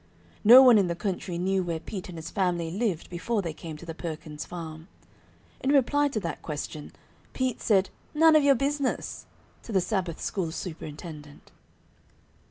No one in the country knew where Pete and his family lived before they came to the Perkins' farm. In reply to that question Pete said "None of yer business!" to the Sabbath school superintendent.